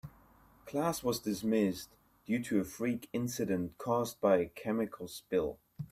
Class was dismissed due to a freak incident caused by a chemical spill.